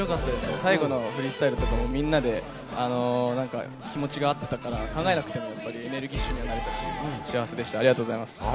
最後のフリースタイルもみんなで気持ちがあってたから、考えなくてもエネルギッシュにできたので幸せでした。